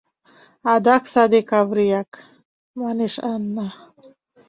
— Адак саде Каврияк, — манеш Ана...